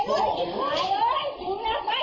ไปเลยตามต้นทางเด็กกันเลย